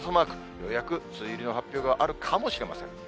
ようやく梅雨入りの発表があるかもしれません。